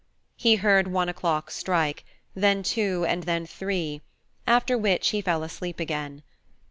He heard one o'clock strike, then two and then three; after which he fell asleep again.